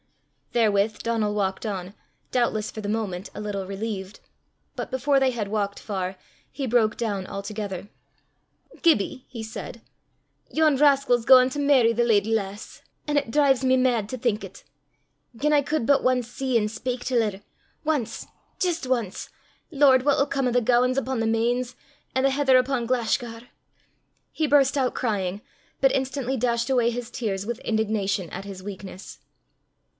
Therewith Donal walked on, doubtless for the moment a little relieved. But before they had walked far, he broke down altogether. "Gibbie," he said, "yon rascal's gauin' to merry the leddy lass! an' it drives me mad to think it. Gien I cud but ance see an' speyk till her ance jist ance! Lord! what 'll come o' a' the gowans upo' the Mains, an' the heather upo' Glashgar!" He burst out crying, but instantly dashed away his tears with indignation at his weakness.